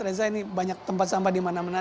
reza ini banyak tempat sampah di mana mana